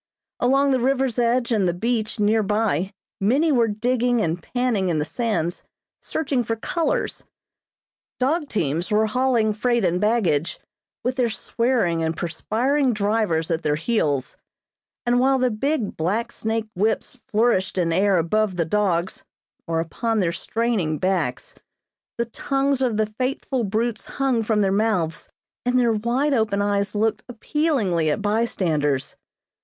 Along the river's edge and the beach near by many were digging and panning in the sands searching for "colors." Dog teams were hauling freight and baggage, with their swearing and perspiring drivers at their heels, and while the big black snake whips flourished in air above the dogs or upon their straining backs, the tongues of the faithful brutes hung from their mouths, and their wide open eyes looked appealingly at bystanders.